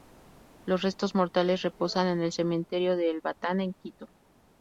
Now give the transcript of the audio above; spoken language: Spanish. Los restos mortales reposan en el Cementerio de El Batán en Quito.